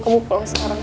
kamu pulang sekarang